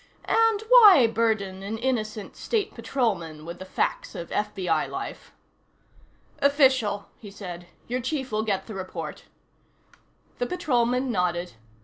And why burden an innocent State Patrolman with the facts of FBI life? "Official," he said. "Your chief will get the report." The Patrolman nodded.